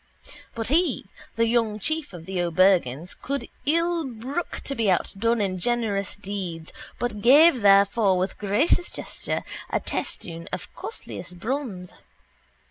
But he, the young chief of the O'Bergan's, could ill brook to be outdone in generous deeds but gave therefor with gracious gesture a testoon of costliest bronze.